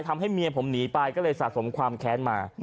ทำให้เมียผมหนีไปก็เลยสะสมความแค้นมา